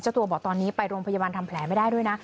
ตัวบอกตอนนี้ไปโรงพยาบาลทำแผลไม่ได้ด้วยนะ